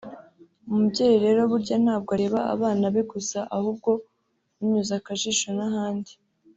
umubyeyi rero burya ntabwo areba abana be gusa ahubwo unyuza akajijo n’ahandi